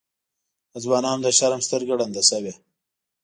د ځوانانو د شرم سترګه ړنده شوې.